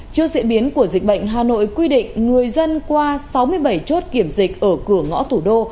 trước diễn biến của dịch bệnh hà nội quy định người dân qua sáu mươi bảy chốt kiểm dịch ở cửa ngõ thủ đô